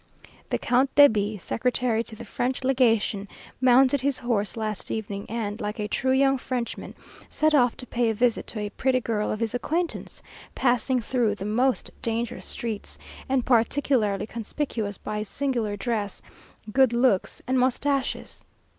The Count de B , secretary to the French Legation, mounted his horse last evening, and, like a true young Frenchman, set off to pay a visit to a pretty girl of his acquaintance, passing through the most dangerous streets, and particularly conspicuous by his singular dress, good looks, and moustaches.